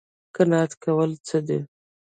قناعت کول څه دي؟